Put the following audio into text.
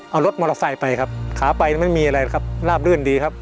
เอารถมอเตอร์ไซค์ไปครับขาไปไม่มีอะไรครับราบรื่นดีครับ